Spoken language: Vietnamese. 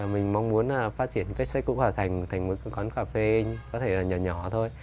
mình mong muốn phát triển sách cũ hòa thành thành một con cà phê có thể nhỏ nhỏ thôi